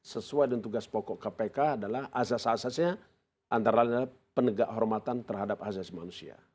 sesuai dengan tugas pokok kpk adalah asas asasnya antara lain adalah penegak hormatan terhadap asas manusia